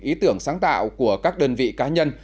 ý tưởng sáng tạo của các đơn vị cá nhân